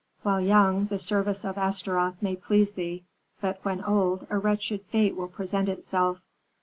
While young, the service of Astaroth may please thee; but when old, a wretched fate will present itself.